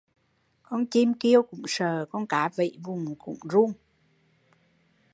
Con chim kêu cũng sợ, con cá vẫy vùng cũng lo